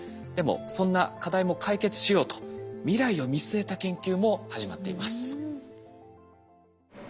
でもそんな課題も解決しようと未来を見据えた研究も始まっています。